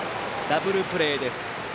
ダブルプレーです。